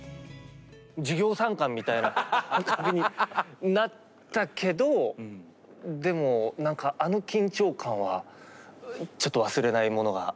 授業参観みたいな感じになったけどでも何かあの緊張感はちょっと忘れないものがありますね。